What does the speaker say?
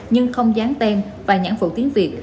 nhưng không gián tem và nhãn vụ tiếng việt